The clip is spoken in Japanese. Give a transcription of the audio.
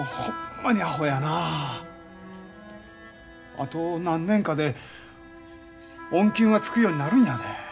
あと何年かで恩給がつくようになるんやで。